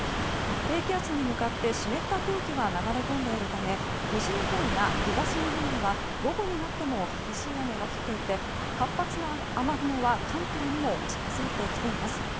低気圧に向かって湿った空気が流れ込んでいるため西日本や東日本では午後になっても激しい雨が降っていて活発な雨雲は関東にも近づいてきています。